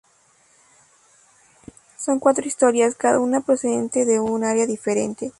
Son cuatro historias, cada una procedente de un área diferente.